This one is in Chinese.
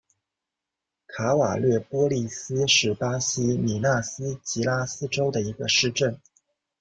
卡瓦略波利斯是巴西米纳斯吉拉斯州的一个市镇。